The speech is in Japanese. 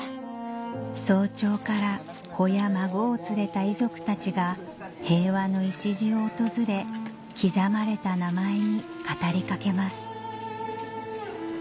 早朝から子や孫を連れた遺族たちが「平和の礎」を訪れ刻まれた名前に語りかけます